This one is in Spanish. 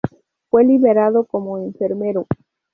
Fue liberado como enfermero.